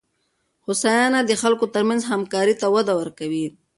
هوساینه د خلکو ترمنځ همکارۍ ته وده ورکوي.